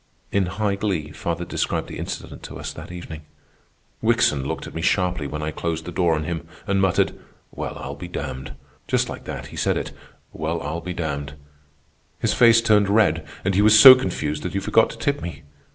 In high glee father described the incident to us that evening. "Wickson looked at me sharply when I closed the door on him, and muttered, 'Well, I'll be damned.' Just like that he said it, 'Well, I'll be damned.' His face turned red and he was so confused that he forgot to tip me.